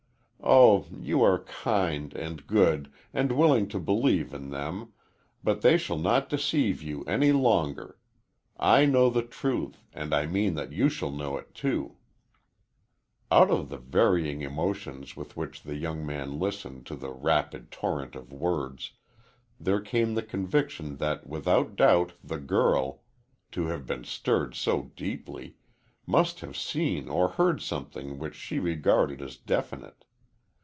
Oh, you are kind and good, and willing to believe in them, but they shall not deceive you any longer. I know the truth, and I mean that you shall know it, too." Out of the varying emotions with which the young man listened to the rapid torrent of words, there came the conviction that without doubt the girl, to have been stirred so deeply, must have seen or heard something which she regarded as definite.